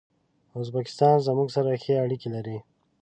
ازبکستان زموږ سره ښې اړیکي لري.